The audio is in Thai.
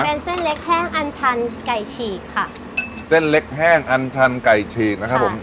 เป็นเส้นเล็กแห้งอันชันไก่ฉีกค่ะเส้นเล็กแห้งอันชันไก่ฉีกนะครับผม